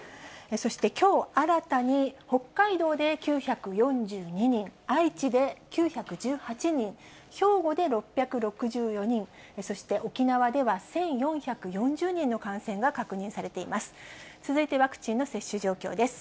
そして、きょう新たに北海道で９４２人、愛知で９１８人、兵庫で６６４人、そして沖縄では１４４０人の感染が確認されています。